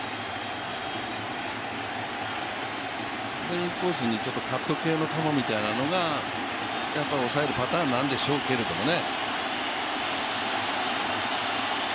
インコースにカット系の球みたいなのが抑えるパターンなんでしょうけどね。